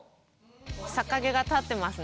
逆毛が立ってますね。